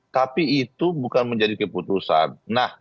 tapi itu bukan menjadi keputusan